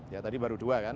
ya tadi baru dua kan